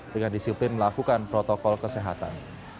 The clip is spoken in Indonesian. dengan disiplin melakukan protokol kesehatan